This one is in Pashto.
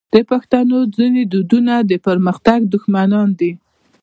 د پښتنو ځینې دودونه د پرمختګ دښمنان دي.